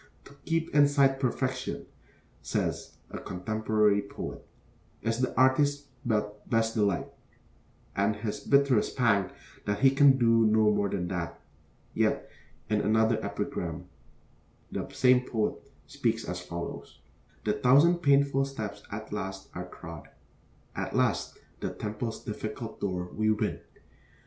'To keep in sight Perfection,' says a contemporary poet, 'is the artist's best delight,' and his bitterest pang that he can do no more than that; yet in another epigram the same poet speaks as follows: The thousand painful steps at last are trod, At last the temple's difficult door we win.